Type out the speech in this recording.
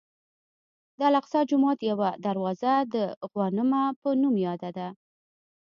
د الاقصی جومات یوه دروازه د غوانمه په نوم ده.